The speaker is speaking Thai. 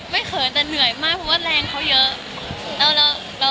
ไม่เคยแต่เหนื่อยมากเพราะแรงเขาเยอะ